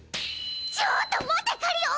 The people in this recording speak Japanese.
ちょっと待てカリオン！